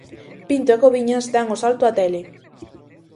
Pinto e Cobiñas dan o salto á tele.